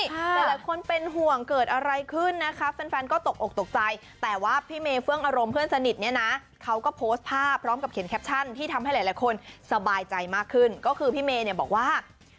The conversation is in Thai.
หลายคนเป็นห่วงเกิดอะไรขึ้นนะคะแฟนก็ตกอกตกใจแต่ว่าพี่เมย์เฟื่องอารมณ์เพื่อนสนิทเนี่ยนะเขาก็โพสต์ภาพพร้อมกับเขียนแคปชั่นที่ทำให้หลายคนสบายใจมากขึ้นก็คือพี่เมย์เนี่ยบอกว่า